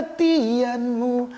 ku terbiasa disamaku